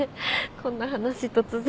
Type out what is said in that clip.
こんな話突然。